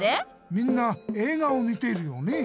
みんな映画を見てるよね。